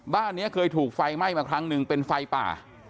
บ้านนี้เคยถูกไฟไหม้มาครั้งหนึ่งเป็นไฟป่า